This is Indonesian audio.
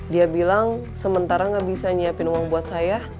dia bilang sementara nggak bisa nyiapin uang buat saya